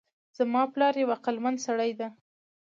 زما پلار یو عقلمند سړی ده